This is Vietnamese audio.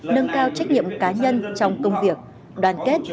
nâng cao trách nhiệm cá nhân trong công việc đoàn kết